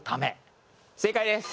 正解です！